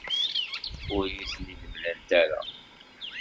Ur iyi-ten-id-mlant ara.